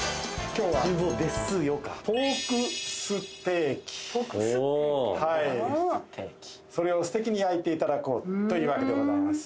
今日はポーク酢テーキはいそれをすてきに焼いていただこうというわけでございます